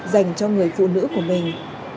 dành cho người phụ nữ của mình